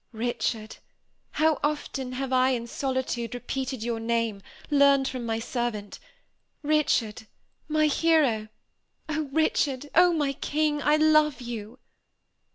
Richard, how often have I in solitude repeated your name, learned from my servant. Richard, my hero! Oh! Richard! Oh, my king! I love you!"